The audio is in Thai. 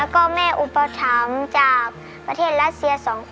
คือ